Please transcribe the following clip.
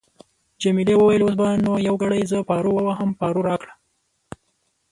جميلې وويل:: اوس به نو یو ګړی زه پارو وواهم، پارو راکړه.